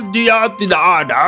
dia tidak ada